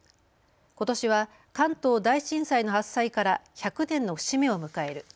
ことしは関東大震災の発生から１００年の節目を迎える。